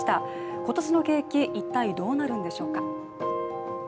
今年の景気、一体どうなるんでしょうか。